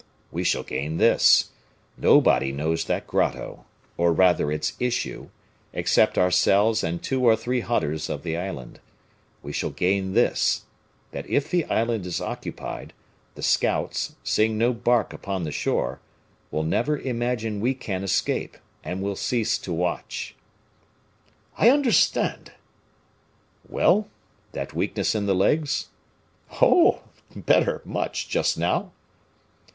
"We shall gain this nobody knows that grotto, or rather its issue, except ourselves and two or three hunters of the island; we shall gain this that if the island is occupied, the scouts, seeing no bark upon the shore, will never imagine we can escape, and will cease to watch." "I understand." "Well! that weakness in the legs?" "Oh! better, much, just now."